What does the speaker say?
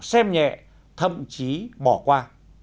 xem nhẹ thậm chí bỏ qua